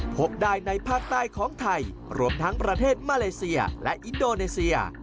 พบได้ในภาคใต้ของไทยรวมทั้งประเทศมาเลเซียและอินโดนีเซีย